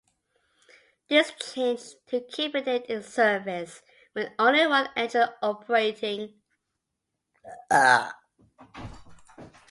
This changed to keeping it in service with only one engine operating.